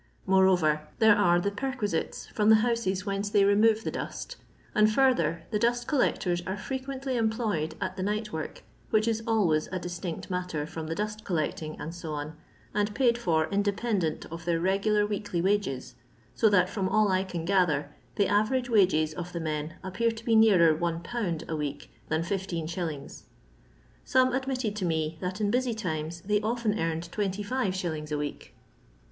Moreover, there are the "perquisites" from the houses whence they remove the dust; and further, the dust collecton are frequently employed at the night work, which is always a distinct mat ter from the dust collecting, &c, and paid for independent of their reguUr weekly wages, so that, from all I can gather, the avenge wages of the men appear to be rather more than 15s. Some admitted to me, that in busy times they often earned 25s. a week.